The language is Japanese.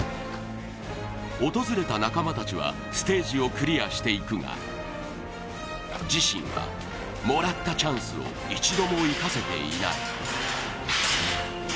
訪れた仲間たちはステージをクリアしていくが、自身はもらったチャンスを一度も生かせていない。